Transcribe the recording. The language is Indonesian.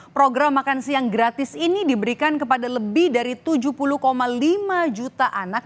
program makan siang gratis ini diberikan kepada lebih dari tujuh puluh lima juta anak